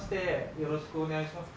よろしくお願いします。